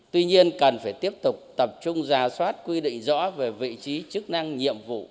tuy nhiên cần phải tiếp tục tập trung giả soát quy định rõ về vị trí chức năng nhiệm vụ